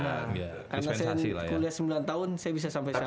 karena saya kuliah sembilan tahun saya bisa sampai sekarang